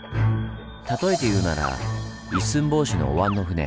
例えて言うなら一寸法師のお椀の船。